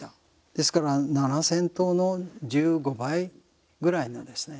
ですから、７０００棟の１５倍ぐらいのですね